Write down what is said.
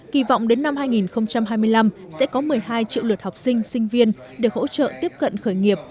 kỳ vọng đến năm hai nghìn hai mươi năm sẽ có một mươi hai triệu lượt học sinh sinh viên để hỗ trợ tiếp cận khởi nghiệp